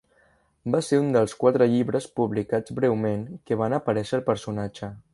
Va ser un dels quatre llibres publicats breument que van aparèixer al personatge.